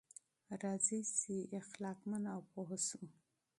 راځئ چې باادبه او پوه شو.